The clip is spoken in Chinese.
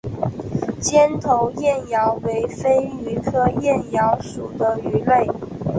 尖头燕鳐为飞鱼科燕鳐属的鱼类。